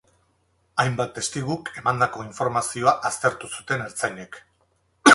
Hainbat testiguk emandako informazioa aztertu zuten ertzainek.